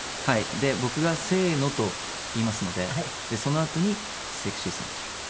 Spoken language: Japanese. で僕が「せーの」と言いますのでそのあとに「セクシーサンキュー」と。